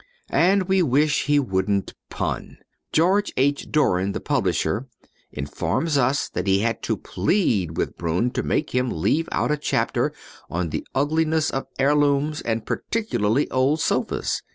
And we wish he wouldn't pun. George H. Doran, the publisher, informs us that he had to plead with Broun to make him leave out a chapter on the ugliness of heirlooms and particularly old sofas.